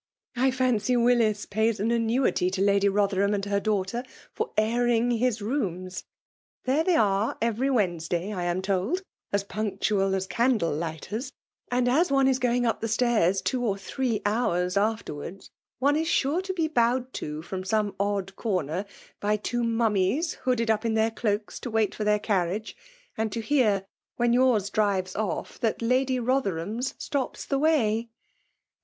" I fancy Willis pays an annuity to Lady Bothcrham and her daughter for airing his rooms. There they are every Wednesday, I am tolcL as punctual as the candle lighters ;— and^ as one is going up the stairs two or three hours afterwards, one is sure to be bowed to from some odd corner by tw^o mummies hooded up in their cloaks to wait for their carriage ; and to hear> when yours drives oC that Lady l^therbam's stops the way."